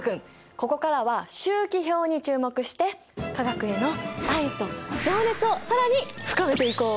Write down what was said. ここからは周期表に注目して化学への愛と情熱を更に深めていこう！